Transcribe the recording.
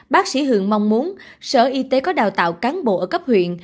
bác sĩ hường mong muốn sở y tế có đào tạo cán bộ ở cấp huyện